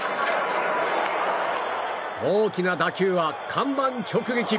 大きな打球は看板直撃。